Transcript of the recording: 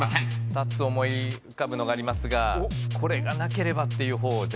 ２つ思い浮かぶのがありますがこれがなければっていう方を。